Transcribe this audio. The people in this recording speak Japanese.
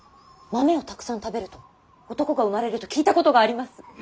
豆をたくさん食べると男が生まれると聞いたことがあります。